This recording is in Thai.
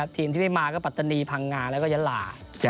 ทีมที่ไม่มาก็ปัตตานีพังงาแล้วก็ยาลา